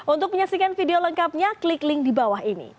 untuk menyaksikan video lengkapnya klik link di bawah ini